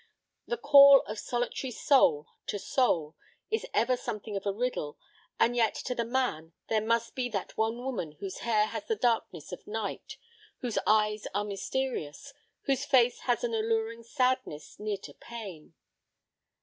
The call of solitary soul to soul is ever something of a riddle, and yet to the man there must be that one woman whose hair has the darkness of night, whose eyes are mysterious, whose face has an alluring sadness near to pain.